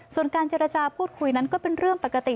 ส่วนการเจรจาพูดคุยนั้นก็เป็นเรื่องปกติ